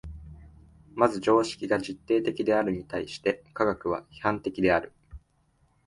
まず常識が実定的であるに対して科学は批判的である。